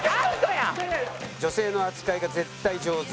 女性の扱いが絶対上手。